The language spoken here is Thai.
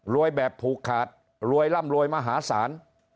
แบบผูกขาดรวยร่ำรวยมหาศาล